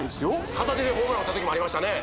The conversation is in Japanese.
片手でホームラン打った時もありましたね